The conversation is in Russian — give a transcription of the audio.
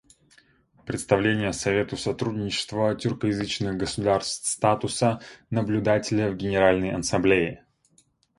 Предоставление Совету сотрудничества тюркоязычных государств статуса наблюдателя в Генеральной Ассамблее.